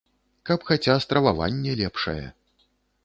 Каб хаця страваванне лепшае.